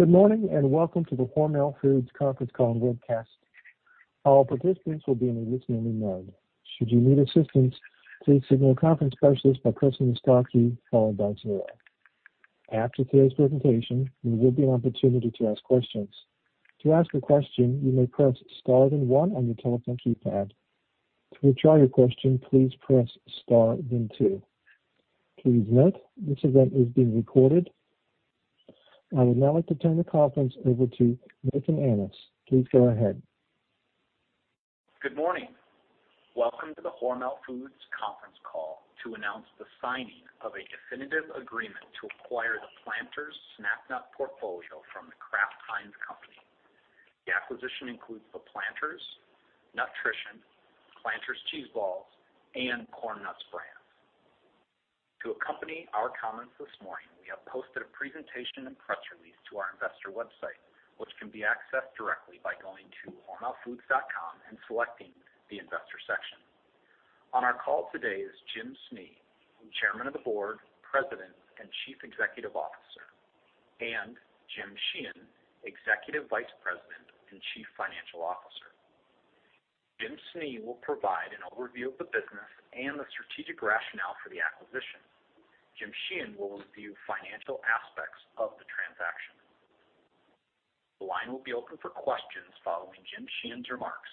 Good morning, and welcome to the Hormel Foods conference call and webcast. All participants will be in a listening mode. Should you need assistance, please signal a conference specialist by pressing the star key followed by zero. After today's presentation, there will be an opportunity to ask questions. To ask a question, you may press star then one on your telephone keypad. To withdraw your question, please press star then two. Please note, this event is being recorded. I would now like to turn the conference over to Nathan Annis. Please go ahead. Good morning. Welcome to the Hormel Foods conference call to announce the signing of a definitive agreement to acquire the Planters Snack Nut portfolio from The Kraft Heinz Company. The acquisition includes the Planters, NUT-rition, Planters Cheez Balls, and Corn Nuts brands. To accompany our comments this morning, we have posted a presentation and press release to our investor website, which can be accessed directly by going to hormelfoods.com and selecting the investor section. On our call today is Jim Snee, Chairman of the Board, President, and Chief Executive Officer, and Jim Sheehan, Executive Vice President and Chief Financial Officer. Jim Snee will provide an overview of the business and the strategic rationale for the acquisition. Jim Sheehan will review financial aspects of the transaction. The line will be open for questions following Jim Sheehan's remarks.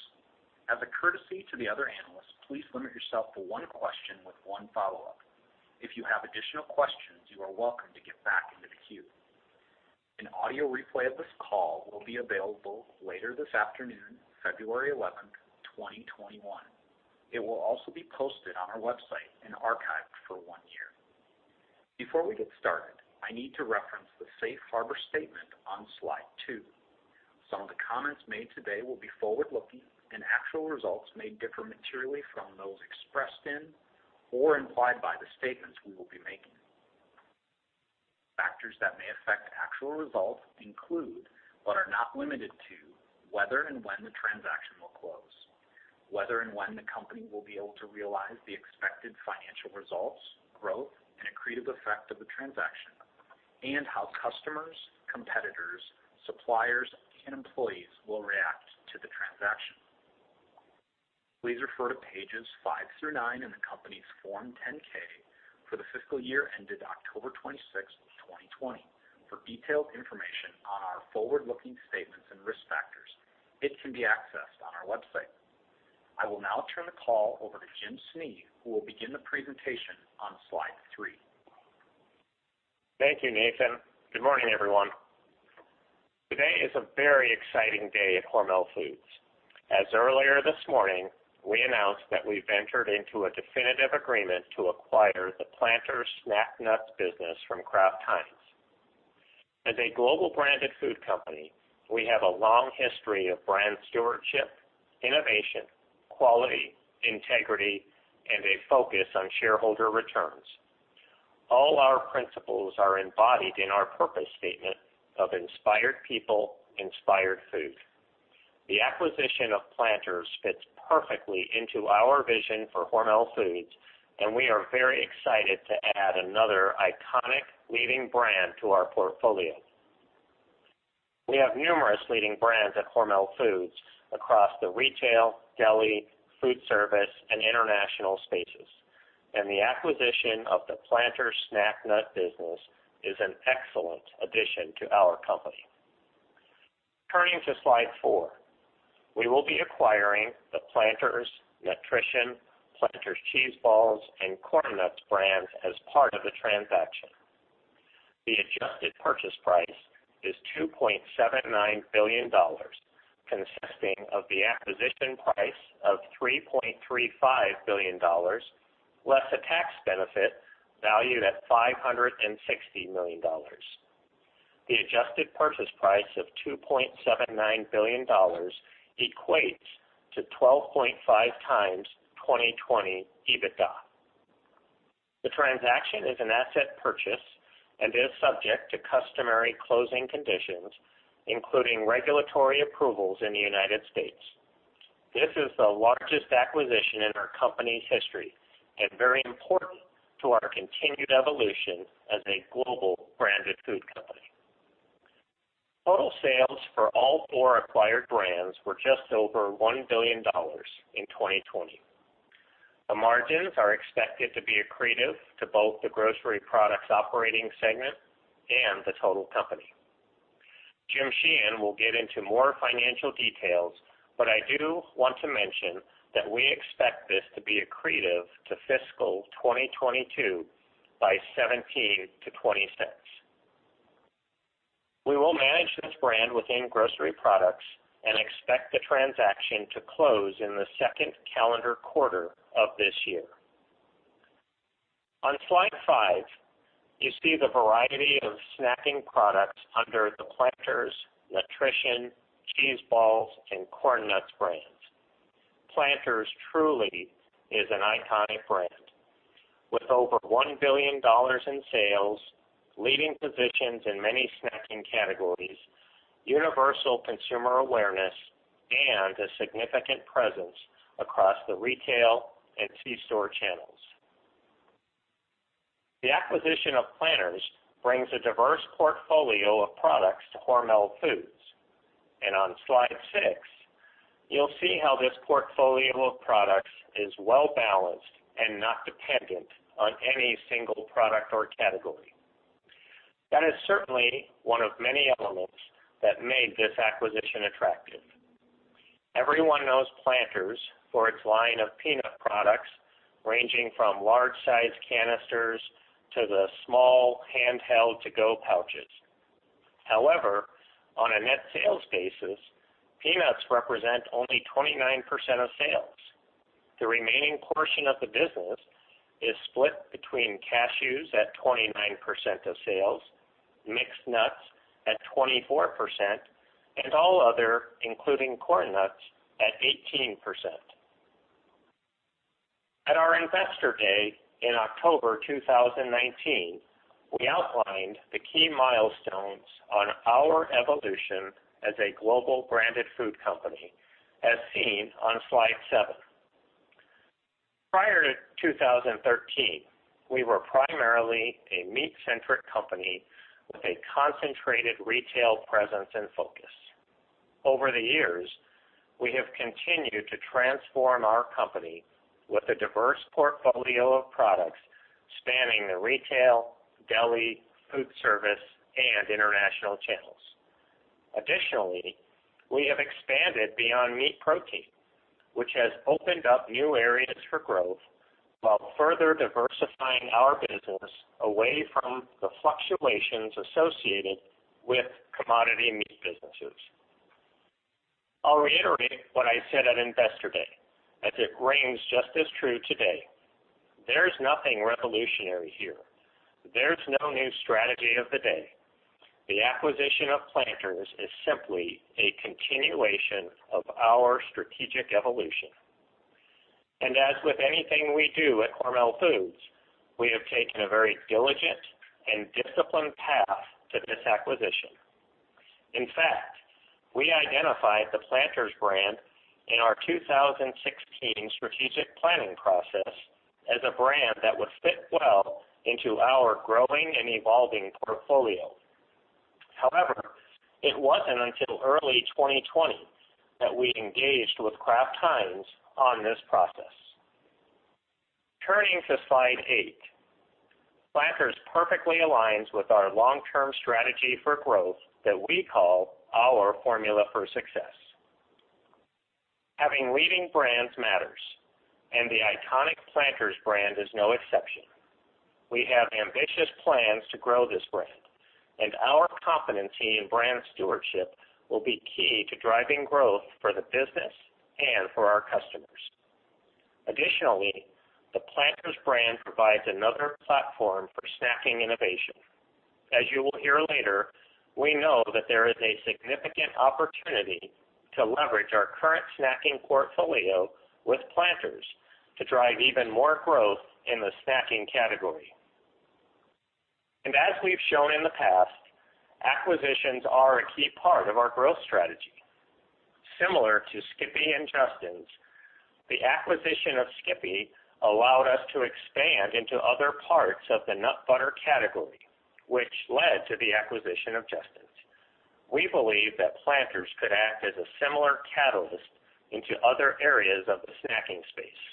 As a courtesy to the other analysts, please limit yourself to one question with one follow-up. If you have additional questions, you are welcome to get back into the queue. An audio replay of this call will be available later this afternoon, February 11th, 2021. It will also be posted on our website and archived for one year. Before we get started, I need to reference the safe harbor statement on slide two. Some of the comments made today will be forward-looking and actual results may differ materially from those expressed in or implied by the statements we will be making. Factors that may affect actual results include, but are not limited to, whether and when the transaction will close, whether and when the company will be able to realize the expected financial results, growth, and accretive effect of the transaction, and how customers, competitors, suppliers, and employees will react to the transaction. Please refer to pages five through nine in the company's Form 10-K for the fiscal year ended October 26th, 2020 for detailed information on our forward-looking statements and risk factors. It can be accessed on our website. I will now turn the call over to Jim Snee, who will begin the presentation on slide three. Thank you, Nathan. Good morning, everyone. Today is a very exciting day at Hormel Foods, as earlier this morning, we announced that we've entered into a definitive agreement to acquire the Planters Snack Nuts business from Kraft Heinz. As a global branded food company, we have a long history of brand stewardship, innovation, quality, integrity, and a focus on shareholder returns. All our principles are embodied in our purpose statement of Inspired People, Inspired Food. The acquisition of Planters fits perfectly into our vision for Hormel Foods, and we are very excited to add another iconic leading brand to our portfolio. We have numerous leading brands at Hormel Foods across the retail, deli, food service, and international spaces, and the acquisition of the Planters Snack Nut business is an excellent addition to our company. Turning to slide four. We will be acquiring the Planters, NUT-rition, Planters Cheez Balls, and Corn Nuts brands as part of the transaction. The adjusted purchase price is $2.79 billion, consisting of the acquisition price of $3.35 billion, less a tax benefit valued at $560 million. The adjusted purchase price of $2.79 billion equates to 12.5x 2020 EBITDA. The transaction is an asset purchase and is subject to customary closing conditions, including regulatory approvals in the U.S. This is the largest acquisition in our company's history and very important to our continued evolution as a global branded food company. Total sales for all four acquired brands were just over $1 billion in 2020. The margins are expected to be accretive to both the Grocery Products operating segment and the total company. Jim Sheehan will get into more financial details. I do want to mention that we expect this to be accretive to fiscal 2022 by $0.17-$0.20. We will manage this brand within Grocery Products and expect the transaction to close in the second calendar quarter of this year. On slide five, you see the variety of snacking products under the Planters, NUT-rition, Cheez Balls, and Corn Nuts brands. Planters truly is an iconic brand. With over $1 billion in sales, leading positions in many snacking categories, universal consumer awareness, and a significant presence across the retail and C-store channels. The acquisition of Planters brings a diverse portfolio of products to Hormel Foods. On slide six, you'll see how this portfolio of products is well-balanced and not dependent on any single product or category. That is certainly one of many elements that made this acquisition attractive. Everyone knows Planters for its line of peanut products, ranging from large-sized canisters to the small handheld to-go pouches. However, on a net sales basis, peanuts represent only 29% of sales. The remaining portion of the business is split between cashews at 29% of sales, mixed nuts at 24%, and all other, including Corn Nuts, at 18%. At our Investor Day in October 2019, we outlined the key milestones on our evolution as a global branded food company, as seen on slide seven. Prior to 2013, we were primarily a meat-centric company with a concentrated retail presence and focus. Over the years, we have continued to transform our company with a diverse portfolio of products spanning the retail, deli, food service, and international channels. Additionally, we have expanded beyond meat protein, which has opened up new areas for growth while further diversifying our business away from the fluctuations associated with commodity meat businesses. I'll reiterate what I said at Investor Day, as it rings just as true today. There's nothing revolutionary here. There's no new strategy of the day. The acquisition of Planters is simply a continuation of our strategic evolution. As with anything we do at Hormel Foods, we have taken a very diligent and disciplined path to this acquisition. In fact, we identified the Planters brand in our 2016 strategic planning process as a brand that would fit well into our growing and evolving portfolio. However, it wasn't until early 2020 that we engaged with Kraft Heinz on this process. Turning to slide eight, Planters perfectly aligns with our long-term strategy for growth that we call our formula for success. Having leading brands matters, and the iconic Planters brand is no exception. We have ambitious plans to grow this brand, and our competency in brand stewardship will be key to driving growth for the business and for our customers. Additionally, the Planters brand provides another platform for snacking innovation. As you will hear later, we know that there is a significant opportunity to leverage our current snacking portfolio with Planters to drive even more growth in the snacking category. As we've shown in the past, acquisitions are a key part of our growth strategy. Similar to Skippy and Justin's, the acquisition of Skippy allowed us to expand into other parts of the nut butter category, which led to the acquisition of Justin's. We believe that Planters could act as a similar catalyst into other areas of the snacking space.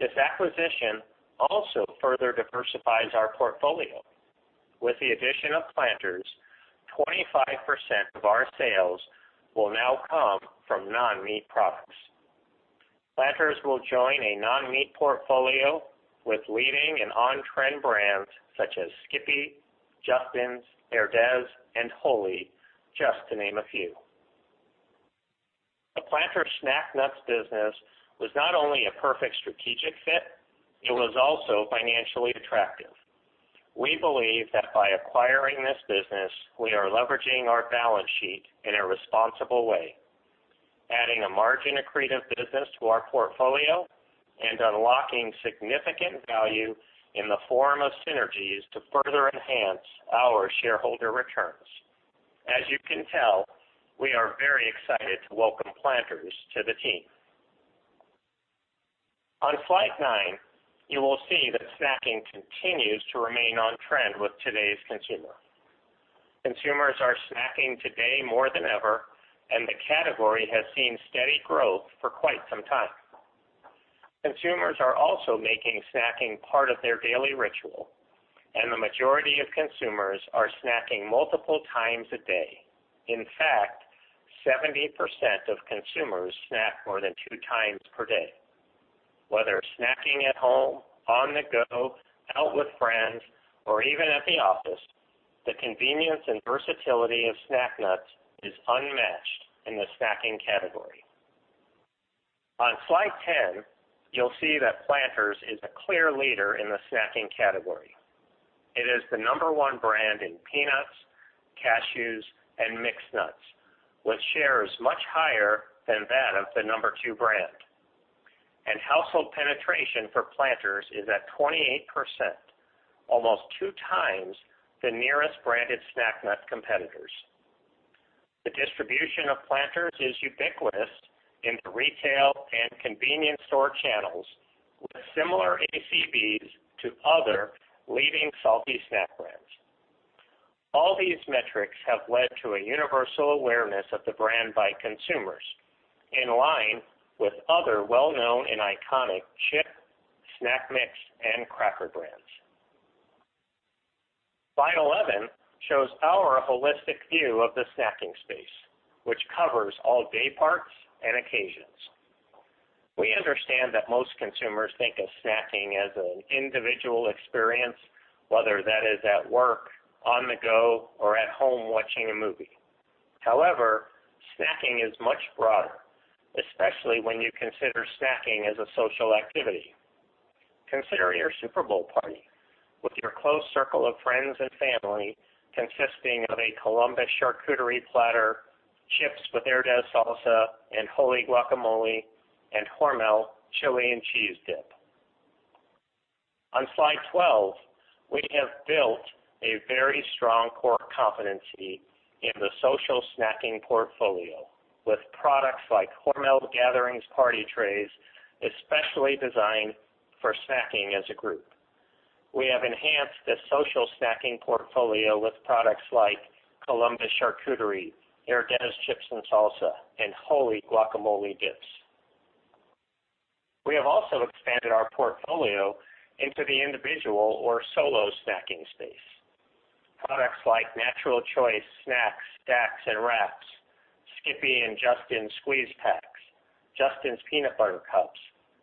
This acquisition also further diversifies our portfolio. With the addition of Planters, 25% of our sales will now come from non-meat products. Planters will join a non-meat portfolio with leading and on-trend brands such as Skippy, Justin's, Herdez, and Wholly, just to name a few. The Planters snack nuts business was not only a perfect strategic fit, it was also financially attractive. We believe that by acquiring this business, we are leveraging our balance sheet in a responsible way, adding a margin-accretive business to our portfolio and unlocking significant value in the form of synergies to further enhance our shareholder returns. As you can tell, we are very excited to welcome Planters to the team. On slide nine, you will see that snacking continues to remain on trend with today's consumer. Consumers are snacking today more than ever, and the category has seen steady growth for quite some time. Consumers are also making snacking part of their daily ritual, and the majority of consumers are snacking multiple times a day. In fact, 70% of consumers snack more than two times per day. Whether snacking at home, on the go, out with friends, or even at the office, the convenience and versatility of snack nuts is unmatched in the snacking category. On slide 10, you'll see that Planters is a clear leader in the snacking category. It is the number one brand in peanuts, cashews, and mixed nuts, with shares much higher than that of the number two brand. Household penetration for Planters is at 28%, almost 2x the nearest branded snack nut competitors. The distribution of Planters is ubiquitous in the retail and convenience store channels, with similar ACVs to other leading salty snack brands. All these metrics have led to a universal awareness of the brand by consumers, in line with other well-known and iconic chip, snack mix, and cracker brands. Slide 11 shows our holistic view of the snacking space, which covers all day parts and occasions. We understand that most consumers think of snacking as an individual experience, whether that is at work, on the go, or at home watching a movie. However, snacking is much broader, especially when you consider snacking as a social activity. Consider your Super Bowl party with your close circle of friends and family, consisting of a Columbus charcuterie platter, chips with Herdez salsa and Wholly Guacamole, and Hormel Chili Cheese Dip. On slide 12, we have built a very strong core competency in the social snacking portfolio with products like Hormel Gatherings party trays, especially designed for snacking as a group. We have enhanced this social snacking portfolio with products like Columbus charcuterie, Herdez chips and salsa, and Wholly Guacamole dips. We have also expanded our portfolio into the individual or solo snacking space. Products like Hormel Natural Choice snacks, stacks, and wraps, Skippy and Justin's squeeze packs, Justin's peanut butter cups,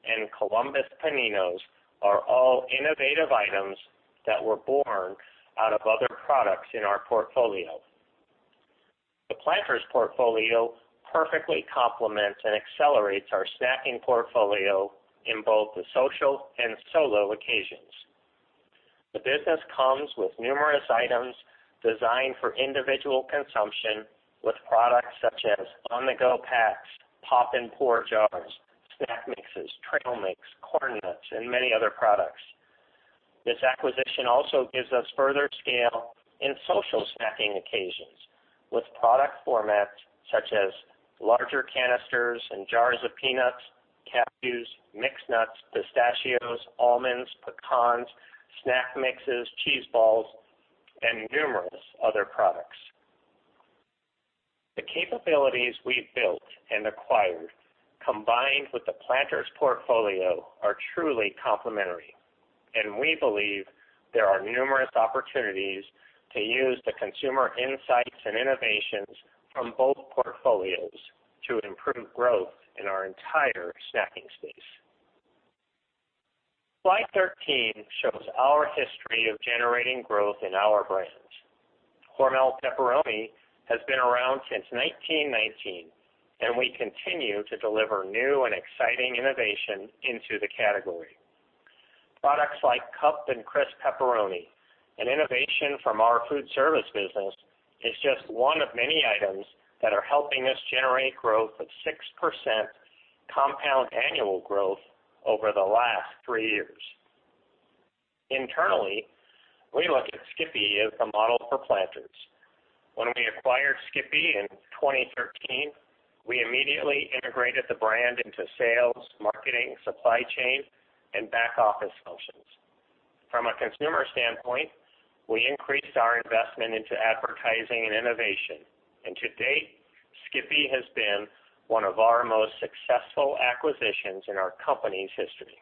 and Columbus paninos are all innovative items that were born out of other products in our portfolio. The Planters portfolio perfectly complements and accelerates our snacking portfolio in both the social and solo occasions. The business comes with numerous items designed for individual consumption with products such as on-the-go packs, pop and pour jars, snack mixes, trail mix, Corn Nuts, and many other products. This acquisition also gives us further scale in social snacking occasions with product formats such as larger canisters and jars of peanuts, cashews, mixed nuts, pistachios, almonds, pecans, snack mixes, Planters Cheez Balls, and numerous other products. The capabilities we've built and acquired, combined with the Planters portfolio, are truly complementary, and we believe there are numerous opportunities to use the consumer insights and innovations from both portfolios to improve growth in our entire snacking space. Slide 13 shows our history of generating growth in our brands. Hormel pepperoni has been around since 1919, and we continue to deliver new and exciting innovation into the category. Products like Cup N' Crisp pepperoni, an innovation from our food service business, is just one of many items that are helping us generate growth of 6% compound annual growth over the last three years. Internally, we look at Skippy as the model for Planters. When we acquired Skippy in 2013, we immediately integrated the brand into sales, marketing, supply chain, and back-office functions. From a consumer standpoint, we increased our investment into advertising and innovation, and to date, Skippy has been one of our most successful acquisitions in our company's history.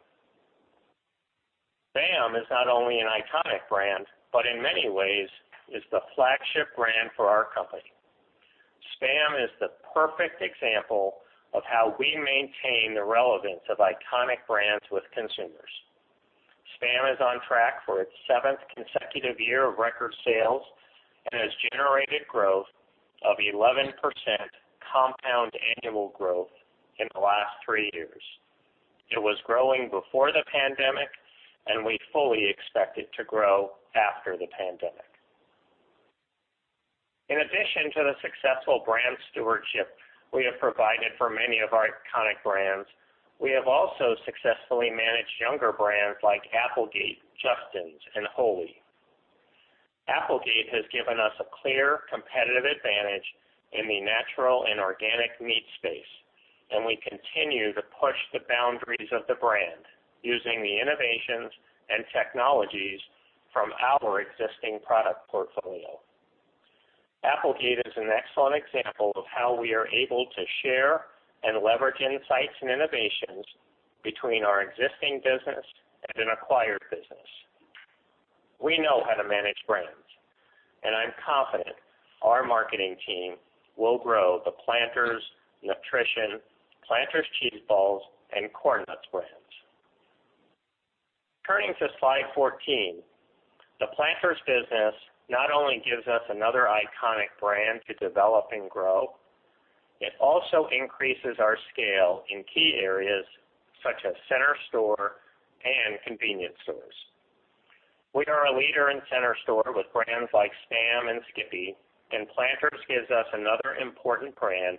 SPAM is not only an iconic brand, but in many ways is the flagship brand for our company. SPAM is the perfect example of how we maintain the relevance of iconic brands with consumers. SPAM is on track for its seventh consecutive year of record sales and has generated growth of 11% compound annual growth in the last three years. It was growing before the pandemic, and we fully expect it to grow after the pandemic. In addition to the successful brand stewardship we have provided for many of our iconic brands, we have also successfully managed younger brands like Applegate, Justin's, and Wholly. Applegate has given us a clear competitive advantage in the natural and organic meat space, and we continue to push the boundaries of the brand using the innovations and technologies from our existing product portfolio. Applegate is an excellent example of how we are able to share and leverage insights and innovations between our existing business and an acquired business. We know how to manage brands, and I'm confident our marketing team will grow the Planters, NUT-rition, Planters Cheez Balls, and Corn Nuts brands. Turning to slide 14, the Planters business not only gives us another iconic brand to develop and grow, it also increases our scale in key areas such as center store and convenience stores. We are a leader in center store with brands like SPAM and Skippy. Planters gives us another important brand,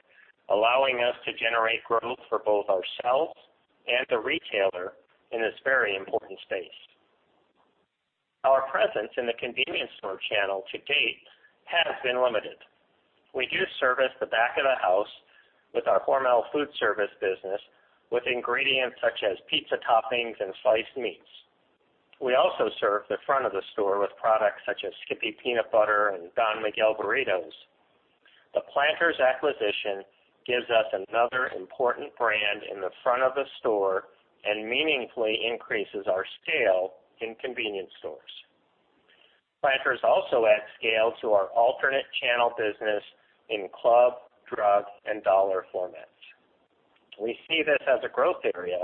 allowing us to generate growth for both ourselves and the retailer in this very important space. Our presence in the convenience store channel to date has been limited. We do service the back of the house with our Hormel food service business with ingredients such as pizza toppings and sliced meats. We also serve the front of the store with products such as Skippy peanut butter and Don Miguel burritos. The Planters acquisition gives us another important brand in the front of the store and meaningfully increases our scale in convenience stores. Planters also adds scale to our alternate channel business in club, drug, and dollar formats. We see this as a growth area.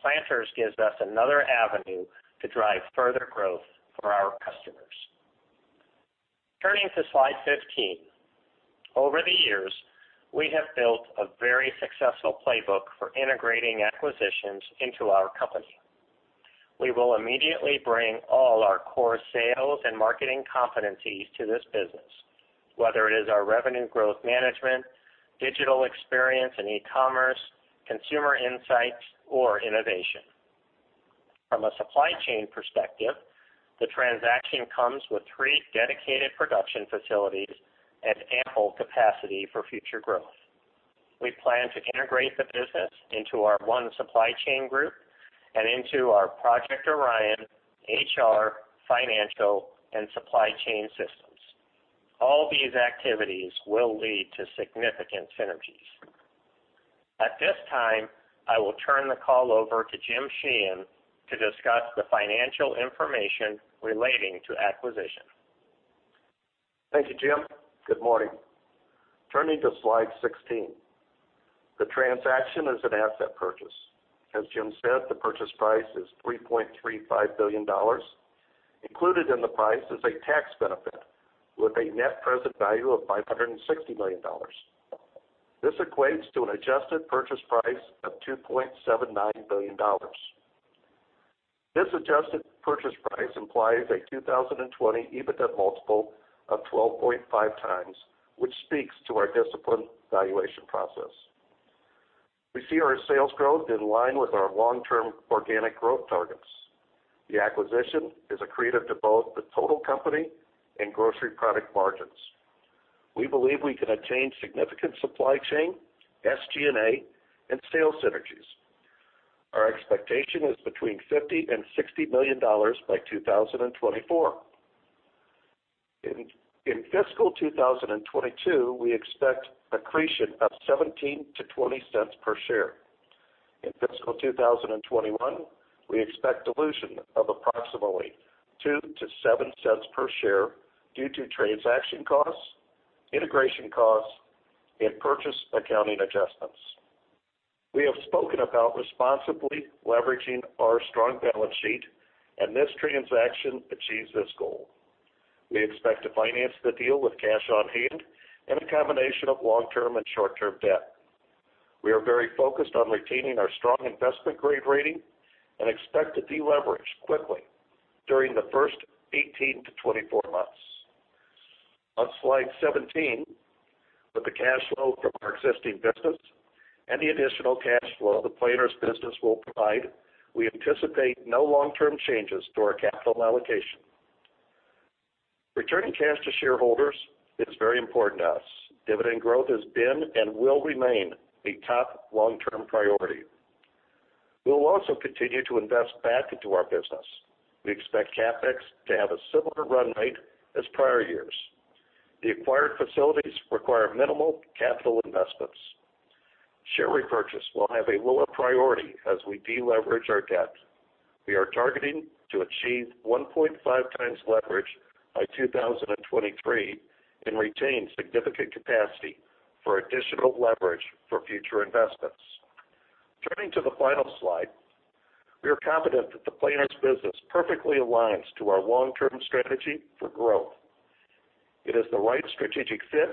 Planters gives us another avenue to drive further growth for our customers. Turning to slide 15. Over the years, we have built a very successful playbook for integrating acquisitions into our company. We will immediately bring all our core sales and marketing competencies to this business, whether it is our revenue growth management, digital experience and e-commerce, consumer insights or innovation. From a supply chain perspective, the transaction comes with three dedicated production facilities and ample capacity for future growth. We plan to integrate the business into our one supply chain group and into our Project Orion, HR, financial, and supply chain systems. All these activities will lead to significant synergies. At this time, I will turn the call over to Jim Sheehan to discuss the financial information relating to acquisition. Thank you, Jim. Good morning. Turning to slide 16. The transaction is an asset purchase. As Jim said, the purchase price is $3.35 billion. Included in the price is a tax benefit with a net present value of $560 million. This equates to an adjusted purchase price of $2.79 billion. This adjusted purchase price implies a 2020 EBITDA multiple of 12.5x, which speaks to our disciplined valuation process. We see our sales growth in line with our long-term organic growth targets. The acquisition is accretive to both the total company and Grocery Products margins. We believe we can attain significant supply chain, SG&A, and sales synergies. Our expectation is between $50 million and $60 million by 2024. In fiscal 2022, we expect accretion of $0.17-$0.20 per share. In fiscal 2021, we expect dilution of approximately $0.02-$0.07 per share due to transaction costs, integration costs, and purchase accounting adjustments. We have spoken about responsibly leveraging our strong balance sheet, and this transaction achieves this goal. We expect to finance the deal with cash on hand and a combination of long-term and short-term debt. We are very focused on retaining our strong investment-grade rating and expect to deleverage quickly during the first 18-24 months. On slide 17, with the cash flow from our existing business and the additional cash flow the Planters business will provide, we anticipate no long-term changes to our capital allocation. Returning cash to shareholders is very important to us. Dividend growth has been and will remain a top long-term priority. We will also continue to invest back into our business. We expect CapEx to have a similar run rate as prior years. The acquired facilities require minimal capital investments. Share repurchase will have a lower priority as we deleverage our debt. We are targeting to achieve 1.5x leverage by 2023 and retain significant capacity for additional leverage for future investments. Turning to the final slide, we are confident that the Planters business perfectly aligns to our long-term strategy for growth. It is the right strategic fit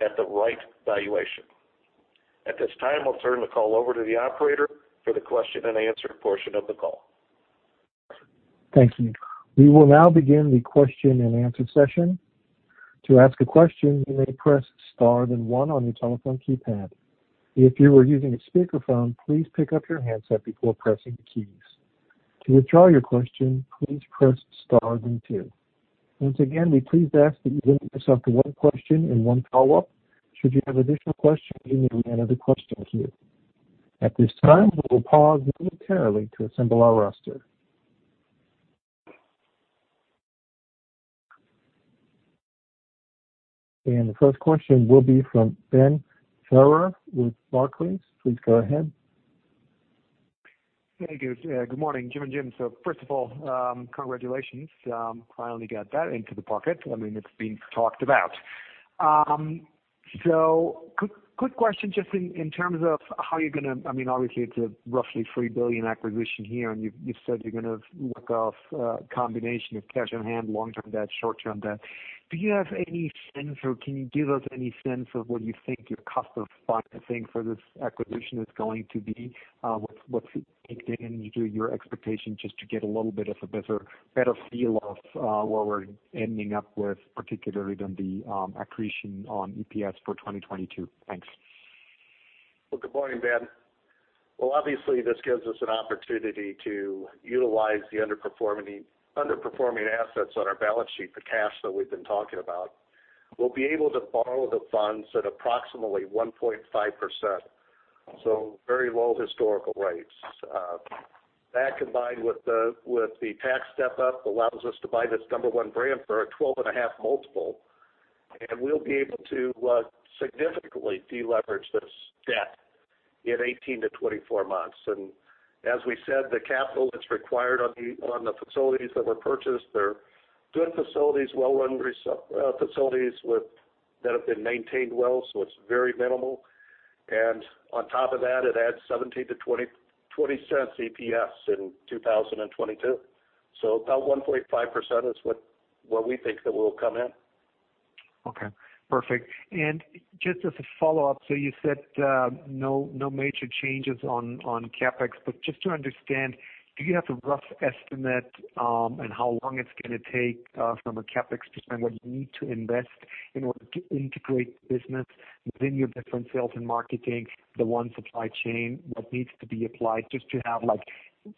at the right valuation. At this time, I'll turn the call over to the operator for the question-and-answer portion of the call. Thank you. We will now begin the question-and-answer session. Once again, we please ask that you limit yourself to one question and one follow-up. Should you have additional questions, you may reenter the question queue. At this time, we will pause momentarily to assemble our roster. The first question will be from Ben Theurer with Barclays. Please go ahead. Thank you. Good morning, Jim and Jim. First of all, congratulations. Finally got that into the pocket. I mean, it's been talked about. Quick question just in terms of how you're gonna-- obviously, it's a roughly $3 billion acquisition here, and you've said you're gonna work off a combination of cash on hand, long-term debt, short-term debt. Do you have any sense, or can you give us any sense of what you think your cost of financing for this acquisition is going to be? What's baked in your expectation just to get a little bit of a better feel of where we're ending up with, particularly on the accretion on EPS for 2022? Thanks. Well, good morning, Ben. Well, obviously this gives us an opportunity to utilize the underperforming assets on our balance sheet, the cash that we've been talking about. We'll be able to borrow the funds at approximately 1.5%, so very low historical rates. That combined with the tax step-up, allows us to buy this number one brand for a 12.5x multiple, and we'll be able to significantly de-leverage this debt in 18-24 months. As we said, the capital that's required on the facilities that were purchased, they're good facilities, well-run facilities that have been maintained well, so it's very minimal. On top of that, it adds $0.17-$0.20 EPS in 2022. About 1.5% is what we think that will come in. Okay, perfect. Just as a follow-up, you said no major changes on CapEx, just to understand, do you have a rough estimate on how long it's going to take from a CapEx perspective what you need to invest in order to integrate the business within your different sales and marketing, the one supply chain, what needs to be applied just to have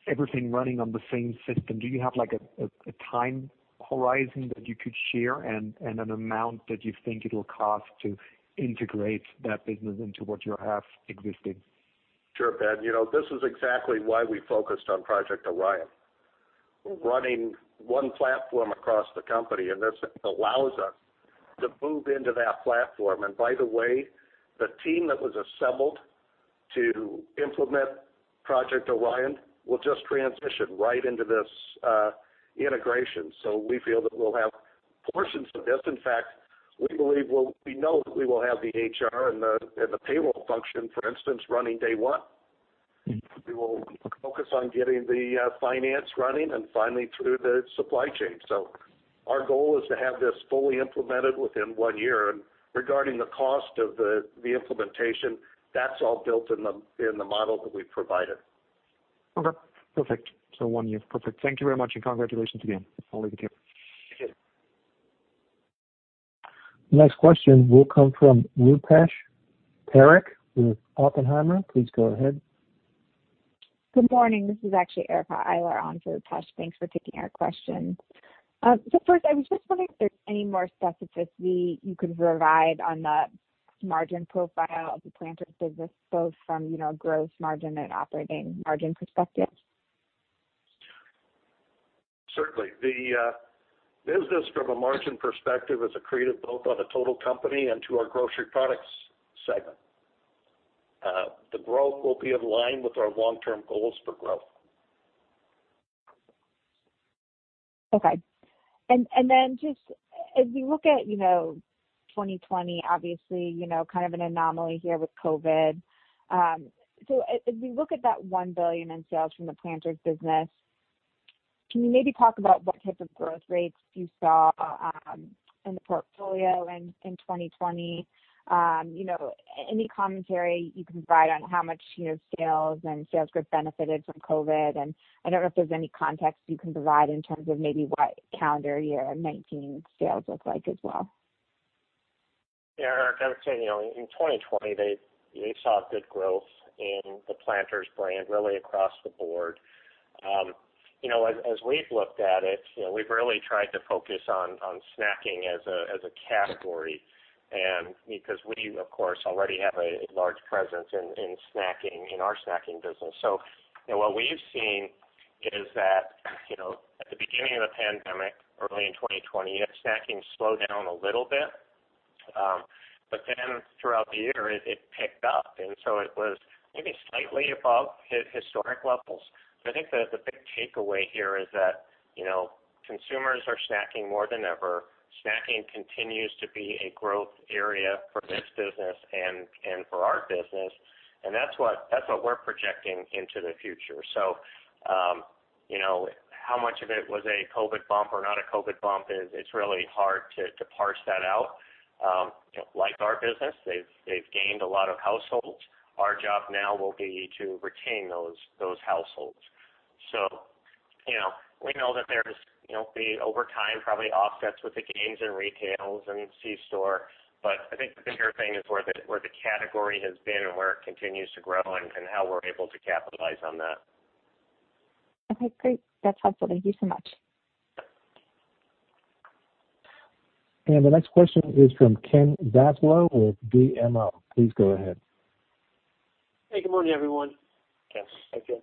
everything running on the same system? Do you have a time horizon that you could share and an amount that you think it'll cost to integrate that business into what you have existing? Sure, Ben. This is exactly why we focused on Project Orion. Running one platform across the company, and this allows us to move into that platform. By the way, the team that was assembled to implement Project Orion will just transition right into this integration, so we feel that we'll have portions of this. In fact, we know that we will have the HR and the payroll function, for instance, running day one. We will focus on getting the finance running and finally through the supply chain. Our goal is to have this fully implemented within one year. Regarding the cost of the implementation, that's all built in the model that we've provided. Okay, perfect. One year? Perfect. Thank you very much, and congratulations again. I'll leave it here. Thank you. Next question will come from Rupesh Parikh with Oppenheimer. Please go ahead. Good morning, this is actually Erica Eiler on for Rupesh. Thanks for taking our question. First, I was just wondering if there's any more specificity you could provide on the margin profile of the Planters business, both from a gross margin and operating margin perspective? Certainly. The business from a margin perspective is accretive both on the total company and to our Grocery Products segment. The growth will be in line with our long-term goals for growth. Okay. Just as we look at 2020, obviously, kind of an anomaly here with COVID. As we look at that $1 billion in sales from the Planters business, can you maybe talk about what type of growth rates you saw in the portfolio in 2020? Any commentary you can provide on how much sales and sales group benefited from COVID? I don't know if there's any context you can provide in terms of maybe what calendar year 2019 sales looked like as well? Erica, I would say, in 2020, we saw good growth in the Planters brand, really across the board. As we've looked at it, we've really tried to focus on snacking as a category, because we, of course, already have a large presence in our snacking business. What we've seen is that at the beginning of the pandemic, early in 2020, snacking slowed down a little bit. Throughout the year, it picked up, it was maybe slightly above historic levels.I think the big takeaway here is that consumers are snacking more than ever. Snacking continues to be a growth area for this business and for our business. That's what we're projecting into the future. How much of it was a COVID bump or not a COVID bump is, it's really hard to parse that out. Like our business, they've gained a lot of households. Our job now will be to retain those households. We know that there's, over time, probably offsets with the gains in retails and c-store, but I think the bigger thing is where the category has been and where it continues to grow and how we're able to capitalize on that. Okay, great. That's helpful, thank you so much. Sure. The next question is from Ken Zaslow with BMO. Please go ahead. Hey, good morning, everyone. Hi, Ken. Hi, Ken.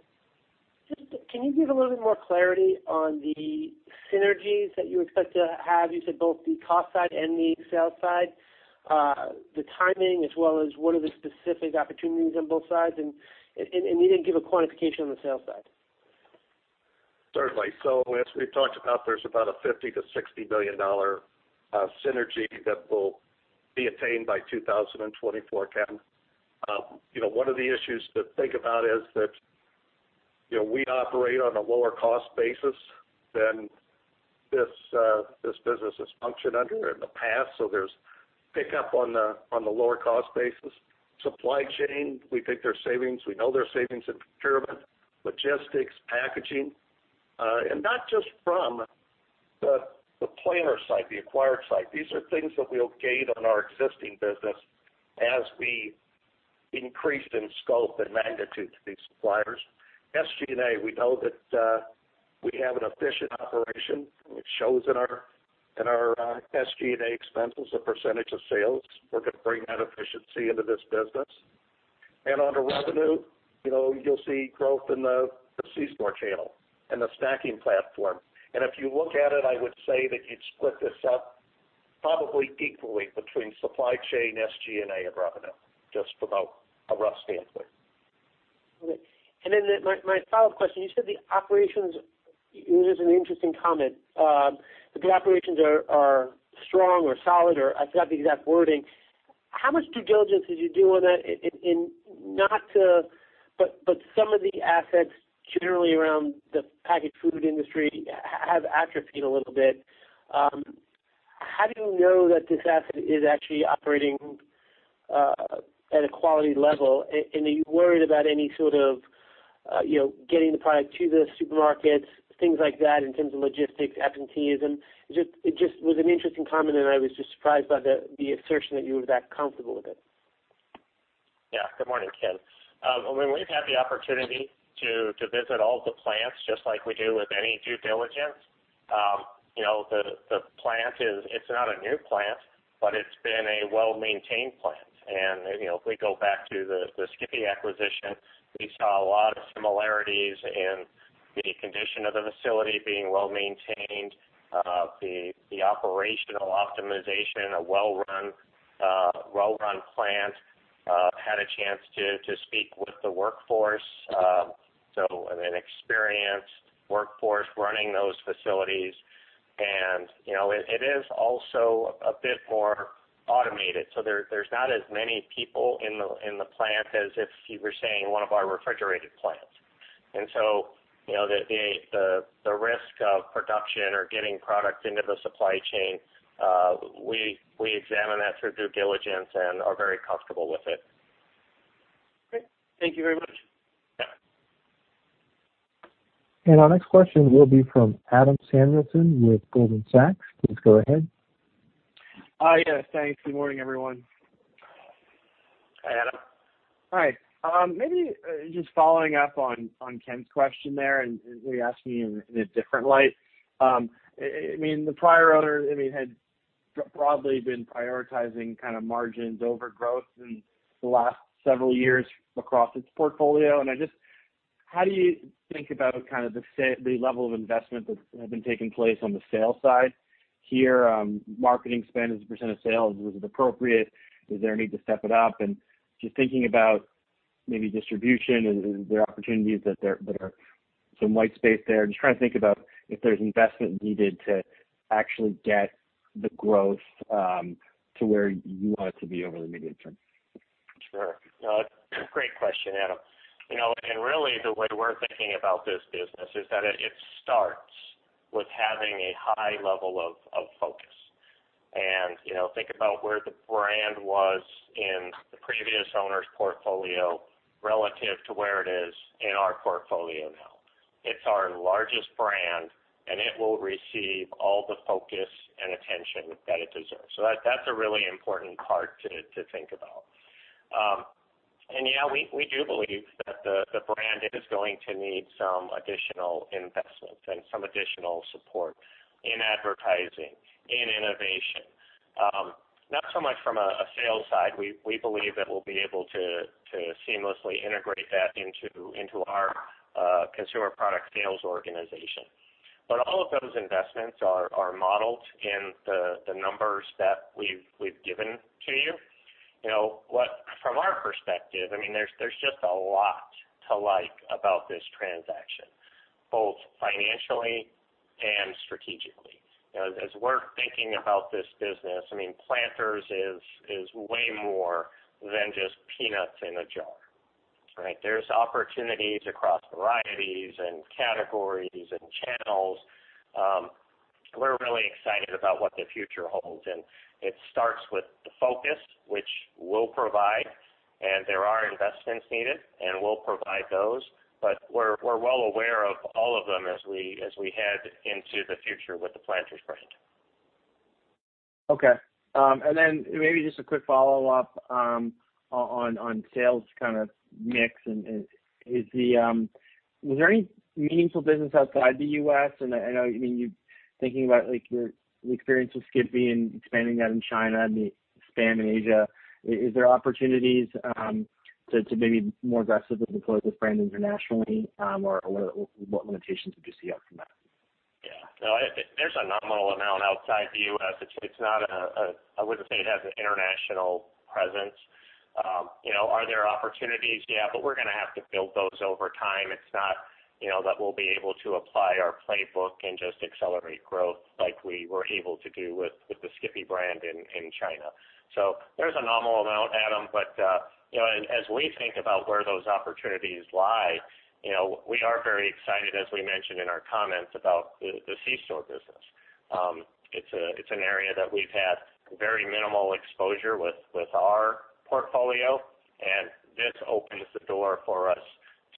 Can you give a little bit more clarity on the synergies that you expect to have? You said both the cost side and the sales side, the timing as well as what are the specific opportunities on both sides. You didn't give a quantification on the sales side. Certainly. As we've talked about, there's about a $50 million-$60 million synergy that will be attained by 2024, Ken. One of the issues to think about is that we operate on a lower cost basis than this business has functioned under in the past. There's pickup on the lower cost basis. Supply chain, we think there's savings. We know there's savings in procurement, logistics, packaging. Not just from the Planters side, the acquired side, these are things that we'll gain on our existing business as we increase in scope and magnitude to these suppliers. SG&A, we know that we have an efficient operation, which shows in our SG&A expenses, a percentage of sales. We're going to bring that efficiency into this business. On the revenue, you'll see growth in the C-store channel and the snacking platform. If you look at it, I would say that you'd split this up probably equally between supply chain, SG&A, and revenue, just from a rough standpoint. Okay. Then my final question, you said the operations-- It was an interesting comment, that the operations are strong or solid, or I forgot the exact wording. How much due diligence did you do on that? Some of the assets generally around the packaged food industry have atrophied a little bit. How do you know that this asset is actually operating at a quality level? Are you worried about getting the product to the supermarkets, things like that, in terms of logistics, absenteeism? It just was an interesting comment, and I was just surprised by the assertion that you were that comfortable with it. Good morning, Ken. When we've had the opportunity to visit all of the plants, just like we do with any due diligence, the plant is not a new plant, but it's been a well-maintained plant. If we go back to the Skippy acquisition, we saw a lot of similarities in the condition of the facility being well-maintained, the operational optimization, a well-run plant. Had a chance to speak with the workforce, so an experienced workforce running those facilities. It is also a bit more automated, so there's not as many people in the plant as if you were saying one of our refrigerated plants. The risk of production or getting product into the supply chain, we examine that through due diligence and are very comfortable with it. Great. Thank you very much. Yeah. Our next question will be from Adam Samuelson with Goldman Sachs. Please go ahead. Yes, thanks. Good morning, everyone. Hi, Adam. Hi. Maybe just following up on Ken's question there and maybe asking in a different light. The prior owner had broadly been prioritizing margins over growth in the last several years across its portfolio. How do you think about the level of investment that has been taking place on the sales side here? Marketing spend as a percent of sales, was it appropriate? Is there a need to step it up? Just thinking about maybe distribution and the opportunities that are some white space there. Just trying to think about if there's investment needed to actually get the growth to where you want it to be over the medium term. Sure. Great question, Adam. Really the way we're thinking about this business is that it starts with having a high level of focus. Think about where the brand was in the previous owner's portfolio relative to where it is in our portfolio now. It's our largest brand, and it will receive all the focus and attention that it deserves. That's a really important part to think about. Yeah, we do believe that the brand is going to need some additional investment and some additional support in advertising, in innovation. Not so much from a sales side. We believe that we'll be able to seamlessly integrate that into our consumer product sales organization. All of those investments are modeled in the numbers that we've given to you. From our perspective, there's just a lot to like about this transaction, both financially and strategically. As we're thinking about this business, Planters is way more than just peanuts in a jar, right? There's opportunities across varieties and categories and channels. We're really excited about what the future holds. It starts with the focus, which we'll provide. There are investments needed, and we'll provide those. We're well aware of all of them as we head into the future with the Planters brand. Okay. Maybe just a quick follow-up on sales kind of mix. Was there any meaningful business outside the U.S.? I know you're thinking about your experience with Skippy and expanding that in China and the SPAM in Asia. Is there opportunities to maybe more aggressively deploy this brand internationally? What limitations would you see out from that? Yeah, there's a nominal amount outside the U.S. I wouldn't say it has an international presence. Are there opportunities? Yeah, but we're going to have to build those over time. It's not that we'll be able to apply our playbook and just accelerate growth like we were able to do with the Skippy brand in China. There's a nominal amount, Adam, but as we think about where those opportunities lie, we are very excited, as we mentioned in our comments, about the C-store business. It's an area that we've had very minimal exposure with our portfolio, and this opens the door for us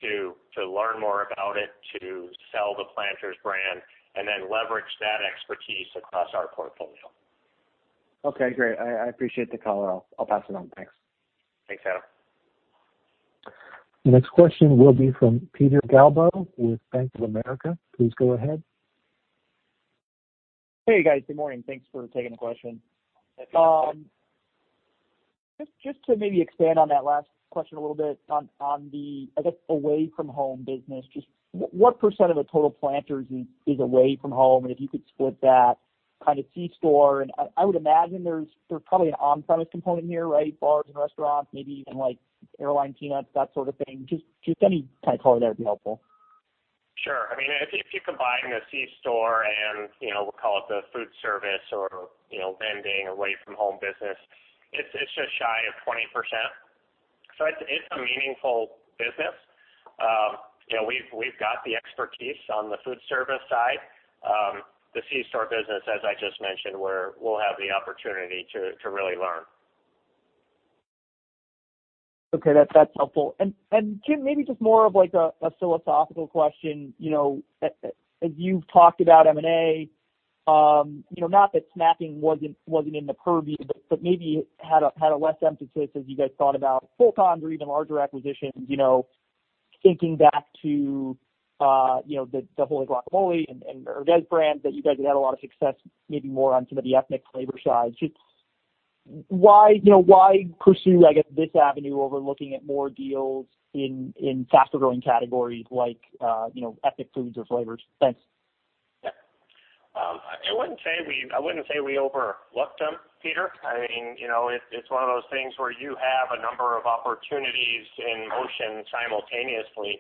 to learn more about it, to sell the Planters brand, and then leverage that expertise across our portfolio. Okay, great. I appreciate the call. I'll pass it on. Thanks. Thanks, Adam. The next question will be from Peter Galbo with Bank of America. Please go ahead. Hey, guys. Good morning. Thanks for taking the question. Hey, Peter. Just to maybe expand on that last question a little bit on the, I guess, away-from-home business, just what percent of the total Planters is away from home? If you could split that kind of C-store, and I would imagine there's probably an on-premise component here, right? Bars and restaurants, maybe even airline peanuts, that sort of thing. Just any kind of color there would be helpful. Sure. If you combine the C-store and we'll call it the food service or vending away-from-home business, it's just shy of 20%. It's a meaningful business. We've got the expertise on the food service side. The C-store business, as I just mentioned, we'll have the opportunity to really learn. Okay, that's helpful. Jim, maybe just more of a philosophical question. As you've talked about M&A, not that snacking wasn't in the purview, but maybe had a less emphasis as you guys thought about full-cons or even larger acquisitions, thinking back to the Wholly Guacamole and Herdez brands that you guys have had a lot of success, maybe more on some of the ethnic flavor side. Just why pursue, I guess, this avenue over looking at more deals in faster-growing categories like ethnic foods or flavors? Thanks. Yeah. I wouldn't say we overlooked them, Peter. It's one of those things where you have a number of opportunities in motion simultaneously.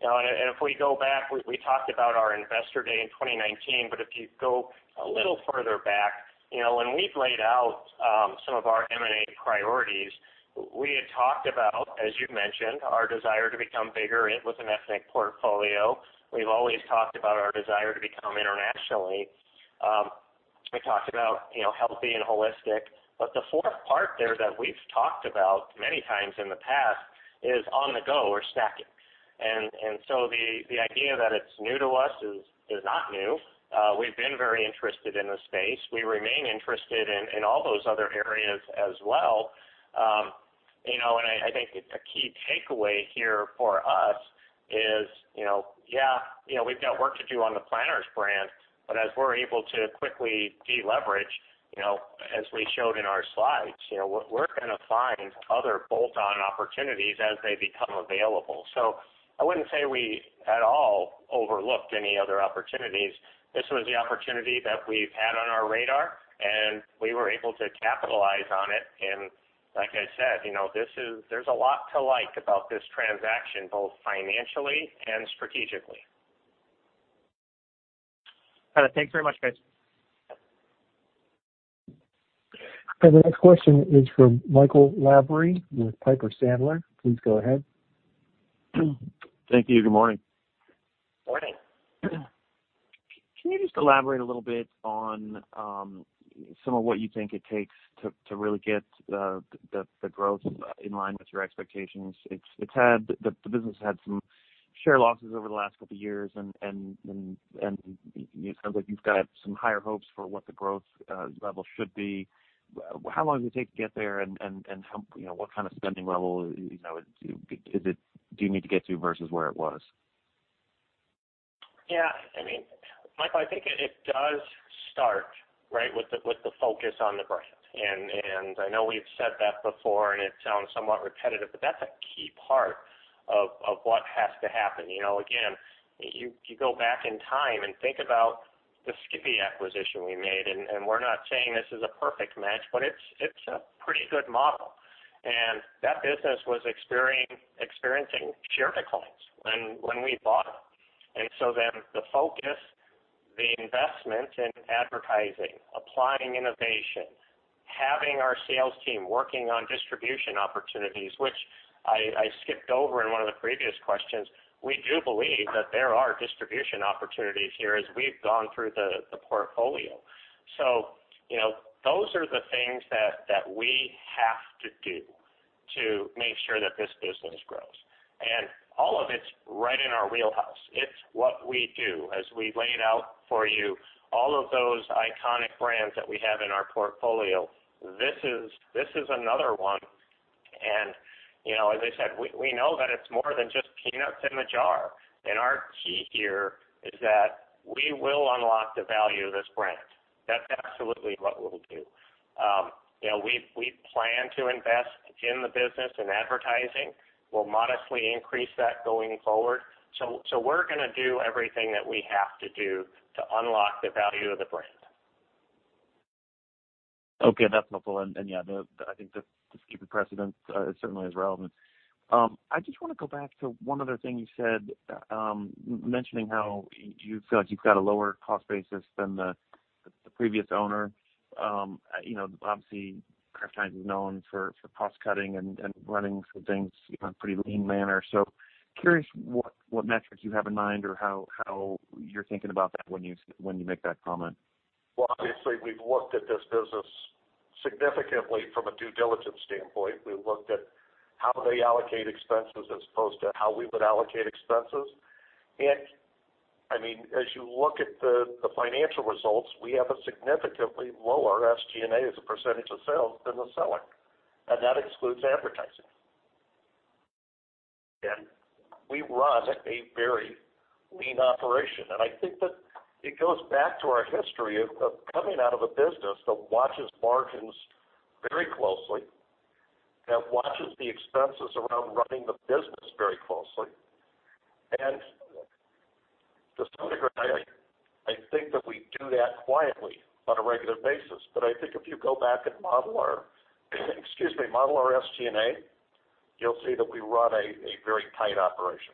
If we go back, we talked about our Investor Day in 2019, but if you go a little further back, when we've laid out some of our M&A priorities, we had talked about, as you mentioned, our desire to become bigger with an ethnic portfolio. We've always talked about our desire to become internationally. We talked about healthy and holistic, but the fourth part there that we've talked about many times in the past is on the go or snacking. The idea that it's new to us is not new. We've been very interested in the space. We remain interested in all those other areas as well. I think a key takeaway here for us is, yeah, we've got work to do on the Planters brand. As we're able to quickly deleverage, as we showed in our slides, we're going to find other bolt-on opportunities as they become available. I wouldn't say we, at all, overlooked any other opportunities. This was the opportunity that we've had on our radar, and we were able to capitalize on it. Like I said, there's a lot to like about this transaction, both financially and strategically. Got it. Thanks very much, guys. The next question is from Michael Lavery with Piper Sandler. Please go ahead. Thank you. Good morning. Morning. Can you just elaborate a little bit on some of what you think it takes to really get the growth in line with your expectations? The business had some share losses over the last couple of years, and it sounds like you've got some higher hopes for what the growth level should be. How long does it take to get there and what kind of spending level do you need to get to versus where it was? Yeah. Michael, I think it does start with the focus on the brand. I know we've said that before, and it sounds somewhat repetitive, but that's a key part of what has to happen. Again, you go back in time and think about the Skippy acquisition we made, and we're not saying this is a perfect match, but it's a pretty good model. The focus, the investment in advertising, applying innovation, having our sales team working on distribution opportunities, which I skipped over in one of the previous questions. We do believe that there are distribution opportunities here as we've gone through the portfolio. Those are the things that we have to do to make sure that this business grows. All of it's right in our wheelhouse. It's what we do. As we laid out for you all of those iconic brands that we have in our portfolio, this is another one. As I said, we know that it's more than just peanuts in a jar. Our key here is that we will unlock the value of this brand. That's absolutely what we'll do. We plan to invest in the business and advertising. We'll modestly increase that going forward. We're going to do everything that we have to do to unlock the value of the brand. Okay, that's helpful. Yeah, I think the Skippy precedent certainly is relevant. I just want to go back to one other thing you said, mentioning how you feel like you've got a lower cost basis than the previous owner. Obviously Kraft Heinz is known for cost-cutting and running some things in a pretty lean manner. Curious what metrics you have in mind or how you're thinking about that when you make that comment. Well, obviously, we've looked at this business. Significantly from a due diligence standpoint, we looked at how they allocate expenses as opposed to how we would allocate expenses. As you look at the financial results, we have a significantly lower SG&A as a percentage of sales than the seller, and that excludes advertising. We run a very lean operation, I think that it goes back to our history of coming out of a business that watches margins very closely and watches the expenses around running the business very closely. To some degree, I think that we do that quietly on a regular basis. I think if you go back and model our SG&A, you'll see that we run a very tight operation.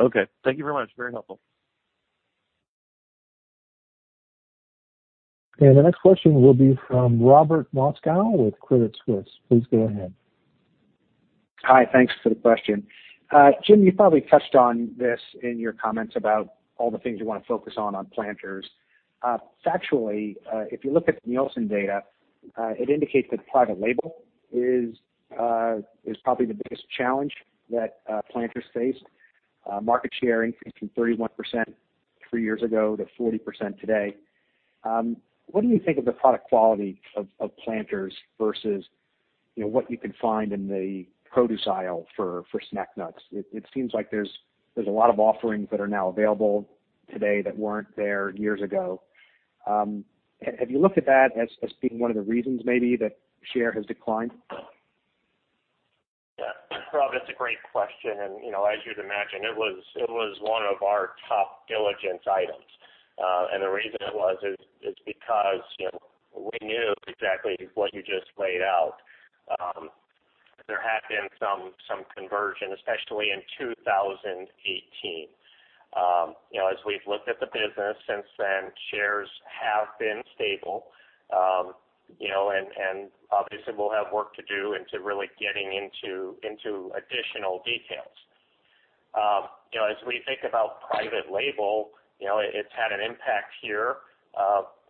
Okay, thank you very much. Very helpful. The next question will be from Robert Moskow with Credit Suisse. Please go ahead. Hi. Thanks for the question. Jim, you probably touched on this in your comments about all the things you want to focus on Planters. Factually, if you look at the Nielsen data, it indicates that private label is probably the biggest challenge that Planters face. Market share increased from 31% three years ago to 40% today. What do you think of the product quality of Planters versus what you can find in the produce aisle for snack nuts? It seems like there's a lot of offerings that are now available today that weren't there years ago. Have you looked at that as being one of the reasons maybe that share has declined? Yeah, Rob, that's a great question. As you'd imagine, it was one of our top diligence items. The reason it was is because we knew exactly what you just laid out. There have been some conversion, especially in 2018. As we've looked at the business since then, shares have been stable. Obviously we'll have work to do into really getting into additional details. As we think about private label, it's had an impact here.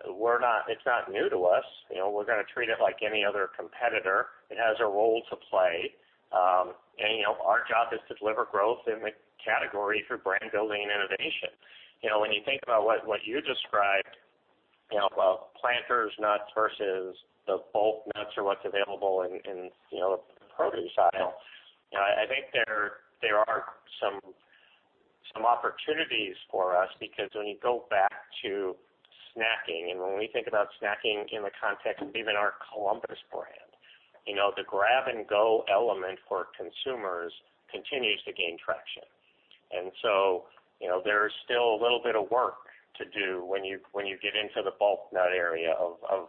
It's not new to us. We're going to treat it like any other competitor. It has a role to play. Our job is to deliver growth in the category through brand building and innovation. When you think about what you described, about Planters nuts versus the bulk nuts or what's available in the produce aisle, I think there are some opportunities for us because when you go back to snacking and when we think about snacking in the context of even our Columbus brand, the grab-and-go element for consumers continues to gain traction. There's still a little bit of work to do when you get into the bulk nut area of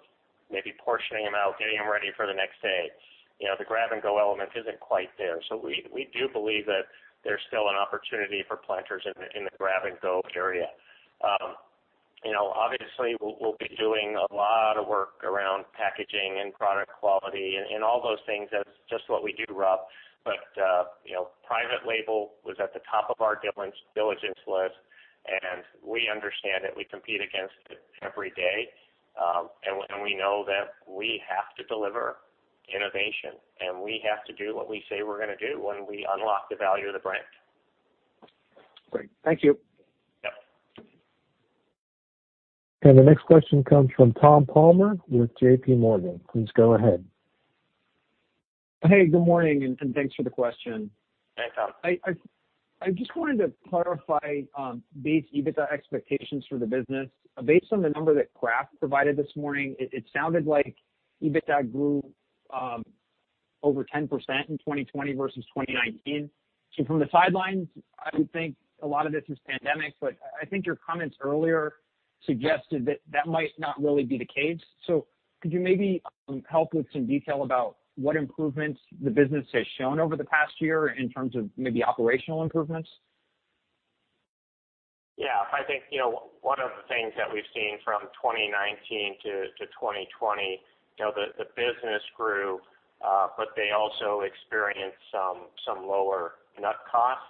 maybe portioning them out, getting them ready for the next day. The grab-and-go element isn't quite there. We do believe that there's still an opportunity for Planters in the grab-and-go area. Obviously, we'll be doing a lot of work around packaging and product quality and all those things. That's just what we do, Rob. Private label was at the top of our diligence list, and we understand it. We compete against it every day. We know that we have to deliver innovation, and we have to do what we say we're going to do when we unlock the value of the brand. Great. Thank you. Yep. The next question comes from Tom Palmer with JPMorgan. Please go ahead. Hey, good morning, and thanks for the question. Hey, Tom. I just wanted to clarify base EBITDA expectations for the business. Based on the number that Kraft provided this morning, it sounded like EBITDA grew over 10% in 2020 versus 2019. From the sidelines, I would think a lot of this is pandemic, but I think your comments earlier suggested that that might not really be the case. Could you maybe help with some detail about what improvements the business has shown over the past year in terms of maybe operational improvements? Yeah. I think one of the things that we've seen from 2019 to 2020, the business grew, but they also experienced some lower nut costs.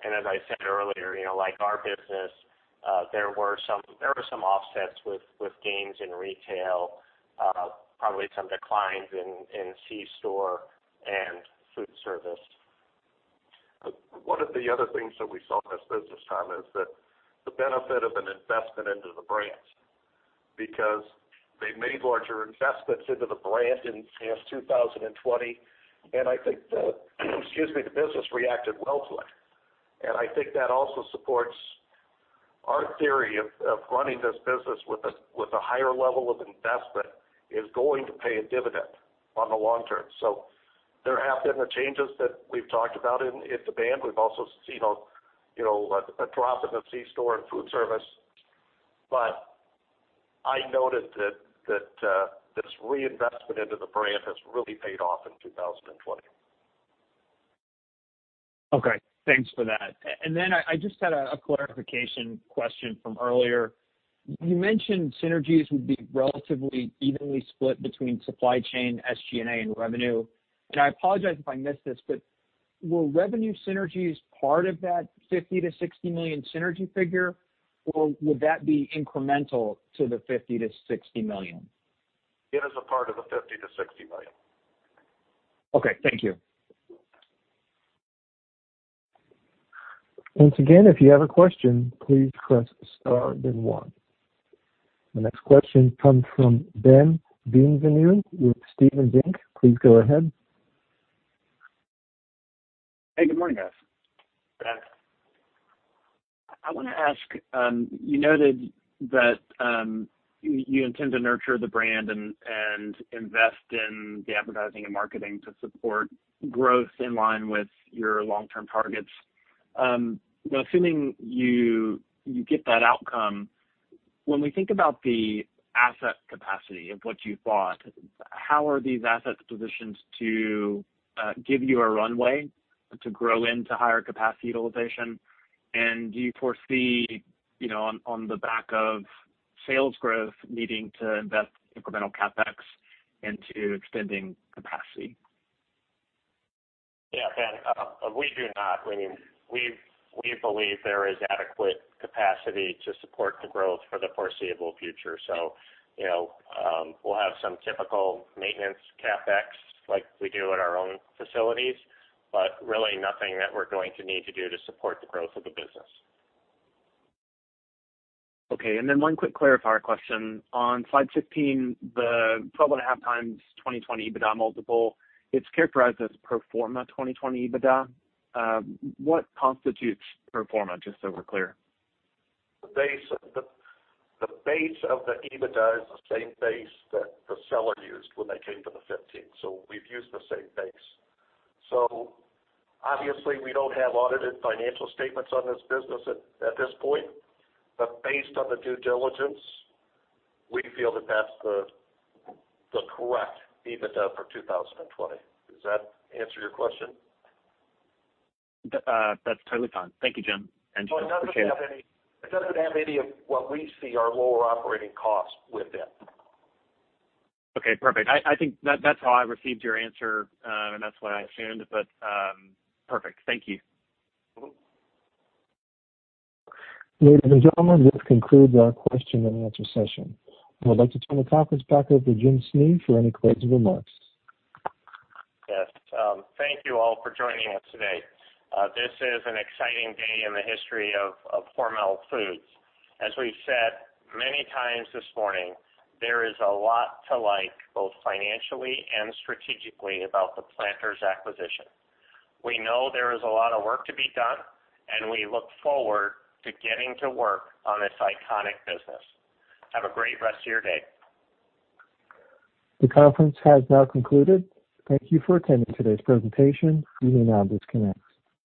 As I said earlier, like our business, there were some offsets with gains in retail, probably some declines in C-store and food service. One of the other things that we saw in this business, Tom, is that the benefit of an investment into the brand. They made larger investments into the brand in 2020, and I think the business reacted well to it. I think that also supports our theory of running this business with a higher level of investment is going to pay a dividend on the long term. There have been the changes that we've talked about in the brand. We've also seen a drop in the C-store and food service. I noted that this reinvestment into the brand has really paid off in 2020. Okay, thanks for that. I just had a clarification question from earlier. You mentioned synergies would be relatively evenly split between supply chain, SG&A, and revenue. I apologize if I missed this, but were revenue synergies part of that $50 million-$60 million synergy figure, or would that be incremental to the $50 million-$60 million? It is a part of the $50 million-$60 million. Okay, thank you. Once again, if you have a question, please press star then one. The next question comes from Ben Bienvenu with Stephens, Inc. Please go ahead. Hey, good morning, guys. Morning, Ben. I want to ask, you noted that you intend to nurture the brand and invest in the advertising and marketing to support growth in line with your long-term targets. Assuming you get that outcome, when we think about the asset capacity of what you've bought, how are these assets positioned to give you a runway to grow into higher capacity utilization? Do you foresee, on the back of sales growth, needing to invest incremental CapEx into extending capacity? Yeah, Ben, we do not. We believe there is adequate capacity to support the growth for the foreseeable future. We'll have some typical maintenance CapEx like we do at our own facilities, but really nothing that we're going to need to do to support the growth of the business. Okay, one quick clarifier question. On slide 15, the 12.5x 2020 EBITDA multiple, it's characterized as pro forma 2020 EBITDA. What constitutes pro forma, just so we're clear? The base of the EBITDA is the same base that the seller used when they came to the 15. We've used the same base. Obviously we don't have audited financial statements on this business at this point, but based on the due diligence, we feel that that's the correct EBITDA for 2020. Does that answer your question? That's totally fine. Thank you, Jim. Appreciate it. It doesn't have any of what we see are lower operating costs with it. Okay, perfect. I think that's how I received your answer. That's what I assumed, but perfect. Thank you. Ladies and gentlemen, this concludes our question-and-answer session. I would like to turn the conference back over to Jim Snee for any closing remarks. Yes. Thank you all for joining us today. This is an exciting day in the history of Hormel Foods. As we've said many times this morning, there is a lot to like, both financially and strategically, about the Planters acquisition. We know there is a lot of work to be done, and we look forward to getting to work on this iconic business. Have a great rest of your day. The conference has now concluded. Thank you for attending today's presentation. You may now disconnect.